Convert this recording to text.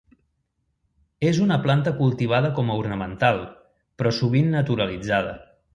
És una planta cultivada com a ornamental, però sovint naturalitzada.